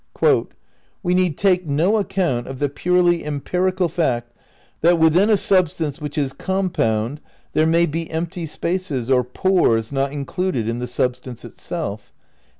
"We need take no account of the purely empirical fact that within a substance which is compound there may be empty spaces or pores not included in the substance itself."